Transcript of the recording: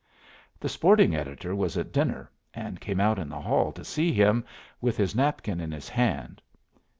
The sporting editor was at dinner and came out in the hall to see him, with his napkin in his hand.